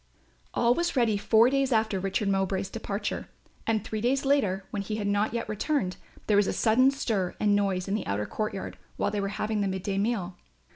All was ready four days after Richard Mowbray's departure and, three days later, when he had not yet returned, there was a sudden stir and noise in the outer courtyard while they were having the mid day meal.